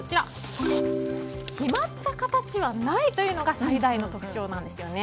決まった形はないというのが最大の特徴なんです。